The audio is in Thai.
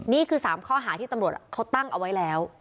นี่คือ๓ข้อหาที่ตำรวจเขาตั้งเอาไว้แล้ว